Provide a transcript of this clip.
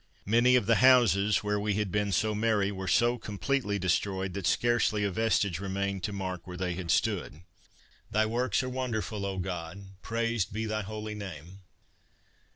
Many of the houses, where we had been so merry, were so completely destroyed, that scarcely a vestige remained to mark where they stood. Thy works are wonderful, O God! praised be thy holy Name!